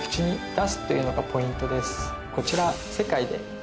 こちら。